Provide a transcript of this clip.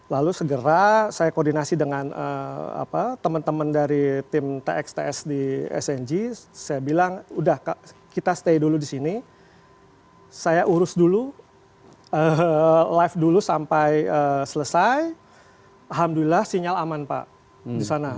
lalu segera saya koordinasi dengan teman teman dari tim txts di sng saya bilang udah kita stay dulu di sini saya urus dulu live dulu sampai selesai alhamdulillah sinyal aman pak di sana